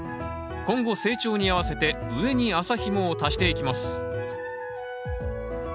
今後成長に合わせて上に麻ひもを足していきます